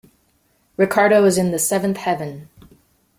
Ricardo was in the seventh Heaven.